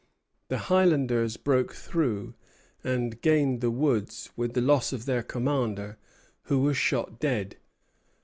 The Highlanders broke through, and gained the woods, with the loss of their commander, who was shot dead.